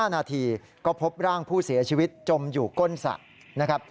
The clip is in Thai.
๑๕นาทีก็พบร่างผู้เสียชีวิตจมอยู่ก้นศะ